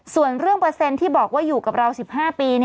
ส่วนเรื่องเปอร์เซ็นต์ที่บอกว่าอยู่กับเรา๑๕ปี